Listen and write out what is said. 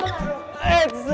aduh menceng aduh